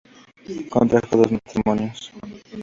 Contrajo dos matrimonios.